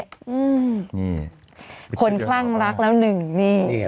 อืมนี่คนคลั่งรักแล้วหนึ่งนี่